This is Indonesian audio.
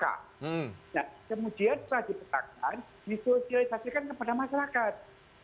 nah kemudian setelah dipetakan disosialisasikan kepada masyarakat